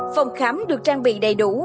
phòng khám được trang bị đầy đủ